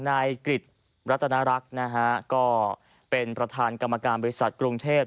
นายกริจรัตนรักษ์นะฮะก็เป็นประธานกรรมการบริษัทกรุงเทพ